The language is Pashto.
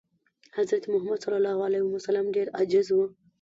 حضرت محمد ﷺ ډېر عاجز و.